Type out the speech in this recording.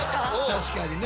確かにね。